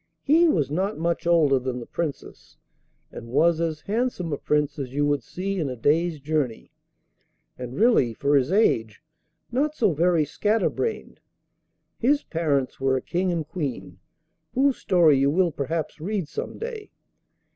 He was not much older than the Princess, and was as handsome a Prince as you would see in a day's journey, and really, for his age, not so very scatter brained. His parents were a King and Queen, whose story you will perhaps read some day.